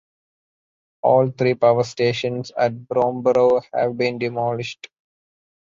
All three power stations at Bromborough have been demolished.